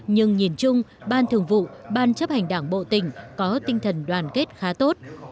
nhưng nhìn chung ban thường vụ ban chấp hành đảng bộ tỉnh có tinh thần đoàn kết khá tốt